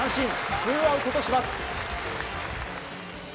ツーアウトとします。